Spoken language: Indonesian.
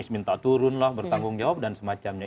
minta turun lah bertanggung jawab dan semacamnya